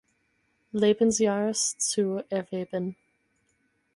Lebensjahres zu erwerben.